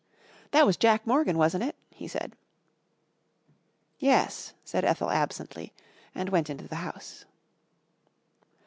"That was Jack Morgan, wasn't it?" he said. "Yes," said Ethel absently and went into the house.